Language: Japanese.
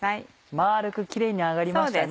丸くきれいに揚がりましたね。